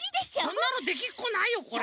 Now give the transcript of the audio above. こんなのできっこないよこれ。